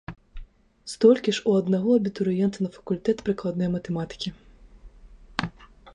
Столькі ж у аднаго абітурыента на факультэт прыкладной матэматыкі.